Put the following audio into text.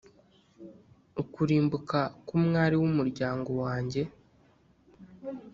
ukurimbuka k’umwari w’umuryango wanjye.